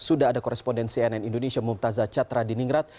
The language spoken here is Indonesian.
sudah ada koresponden cnn indonesia mumtazah chatra di ningrat